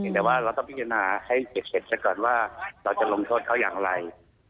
แต่เราต้องมิจินภาพให้เจ็บเดี๋ยวก่อนว่าเราจะลงโทษเขาอย่างไร